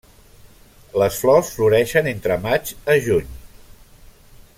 Les flors floreixen entre maig a juny.